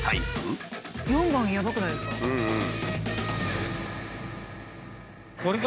４番やばくないですか？